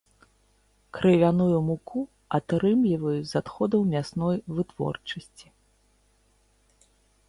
Крывяную муку атрымліваюць з адходаў мясной вытворчасці.